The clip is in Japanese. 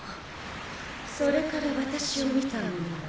それから私を見た者は。